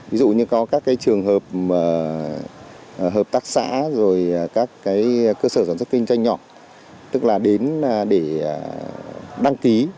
ví dụ như có các trường hợp hợp tác xã rồi các cơ sở sản xuất kinh doanh nhỏ tức là đến để đăng ký